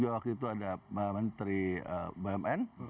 waktu itu ada menteri bumn